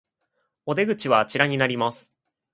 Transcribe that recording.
お出口はあちらになります